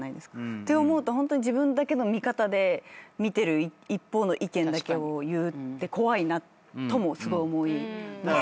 って思うとホントに自分だけの見方で見てる一方の意見だけを言うって怖いなともすごい思います。